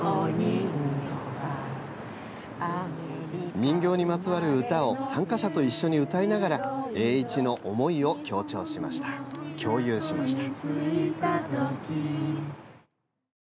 人形にまつわる歌を参加者と一緒に歌いながら栄一の思いを共有しました。